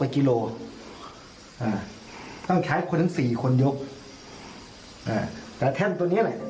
แค่นตนนี้